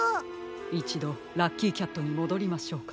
いちどラッキーキャットにもどりましょうか。